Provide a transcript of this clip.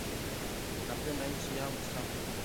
Napenda nchi yangu sana